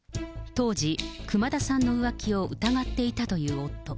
当時、熊田さんの浮気を疑っていたという夫。